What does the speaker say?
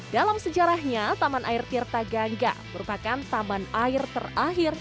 dalam sejarahnya taman air tirta gangga merupakan taman air terakhir